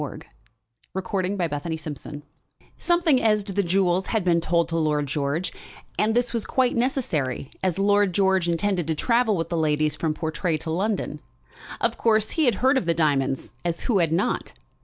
CHAPTER XLIV A Midnight Adventure Something as to the jewels had been told to Lord George; and this was quite necessary, as Lord George intended to travel with the ladies from Portray to London. Of course, he had heard of the diamonds, as who had not?